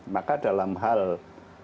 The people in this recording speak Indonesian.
maka dalam hal pengembalian kerugian korupsi